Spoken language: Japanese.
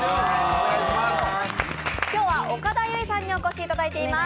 今日は岡田結実さんにお越しいただいております。